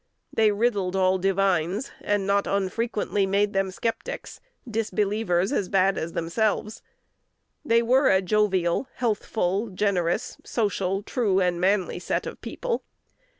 They riddled all divines, and not unfrequently made them sceptics, disbelievers as bad as themselves. They were a jovial, healthful, generous, social, true, and manly set of people.